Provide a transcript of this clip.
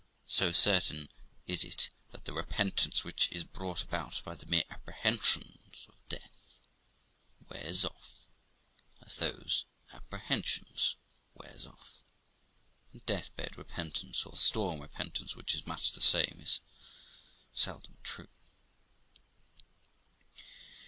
So certain is it, that the repentance which is brought about by the mere apprehensions of death, wears off as THE LIFE OF ROXANA 269 those apprehensions wear off; and deathbed repentance, or storm repent ance, which is much the same, is seldom true.